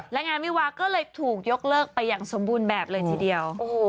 และงานวิวาก็เลยถูกยกเลิกไปอย่างสมบูรณ์แบบเลยทีเดียว